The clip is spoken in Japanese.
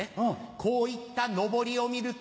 こういったのぼりを見ると